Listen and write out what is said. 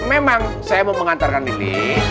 memang saya mau mengantarkan ini